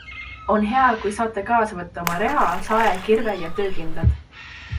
On hea, kui saate kaasa võtta oma reha, sae, kirve ja töökindad.